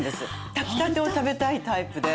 炊きたてを食べたいタイプで。